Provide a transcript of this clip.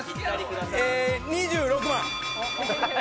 ２６万。